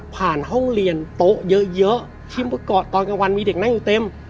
ผ่านห้องเรียนโต๊ะเยอะชิ้นพื้นกอดตอนกลางวันมีเด็กนั่งอยู่เต็ม